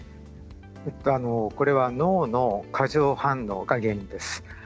これは脳の過剰反応が原因です。